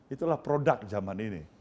itulah produk zaman ini